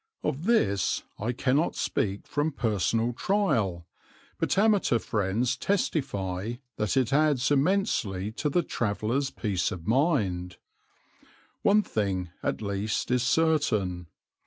Of this I cannot speak from personal trial, but amateur friends testify that it adds immensely to the traveller's peace of mind. One thing, at least, is certain.